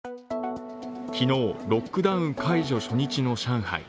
昨日、ロックダウン解除初日の上海。